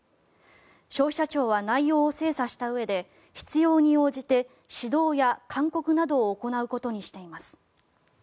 消費者庁は内容を精査したうえで必要に応じて指導や勧告などを行うことにしています。